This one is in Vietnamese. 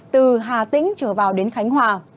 từ hà tĩnh trở vào đến khánh hòa